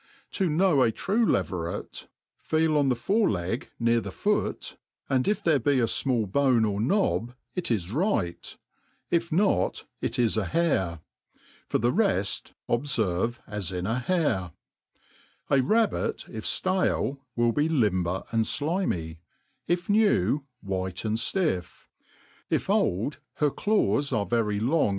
ISo know a true leveret, feel on the fore leg near the foot. 336 TH« ART or COOKERY foot, and if there be a foiall bone or knob ic is right, if not, it is a hare : for the reft obferve zi in a hare. A rabbit, if ftale, win be Ifanber and iliaiy ; if new, white and ftiffj if oM, her daws are very long.